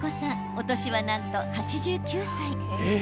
お年は、なんと８９歳。